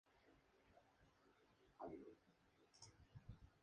El propósito de Uhuru Mobile es impedir los ataques físicos.